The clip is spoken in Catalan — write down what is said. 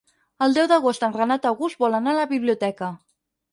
El deu d'agost en Renat August vol anar a la biblioteca.